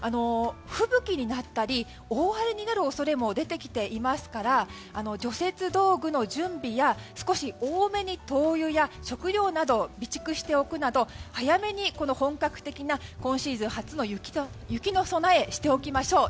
吹雪になったり大荒れになる恐れも出てきていますから除雪道具の準備や少し多めに灯油や食料など備蓄しておくなど早めに本格的な今シーズン初の雪の備えをしておきましょう。